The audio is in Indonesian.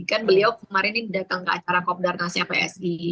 kan beliau kemarin ini datang ke acara kopdarnasnya psi